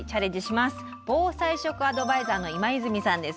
防災食アドバイザーの今泉さんです。